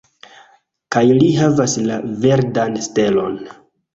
Kaj li havas la verdan stelon.